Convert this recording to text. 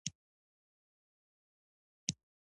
کوربه د بېریا خدمت بيلګه وي.